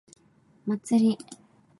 祭り